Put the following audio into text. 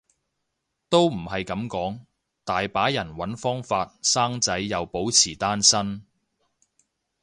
都唔係噉講，大把人搵方法生仔又保持單身